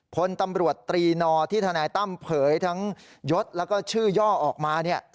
พลตำรวจตรีนอที่ทนายตั้มเผยทั้งยศแล้วก็ชื่อย่อออกมาเนี่ย